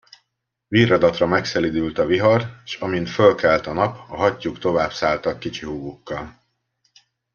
Virradatra megszelídült a vihar, s amint fölkelt a nap, a hattyúk továbbszálltak kicsi húgukkal.